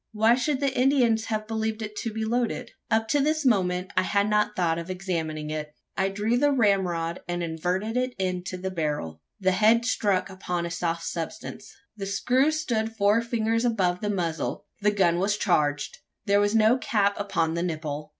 Why should the Indian have believed it to be loaded? Up to this moment, I had not thought of examining it. I drew the ramrod, and inverted it into the barrel. The head struck upon a soft substance. The screw stood four fingers above the muzzle: the gun was charged! There was no cap upon the nipple.